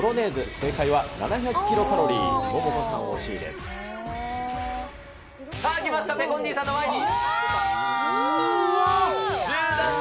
正解は７００キロカロリー。さあ来ました、ペコンディーさんの前に。